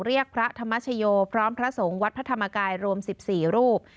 เรียกพระธรรมชโยพร้อมพระสงฆ์วัดพระธรรมกายรวม๑๔รูป